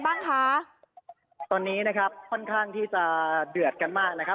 บ้างคะตอนนี้นะครับค่อนข้างที่จะเดือดกันมากนะครับ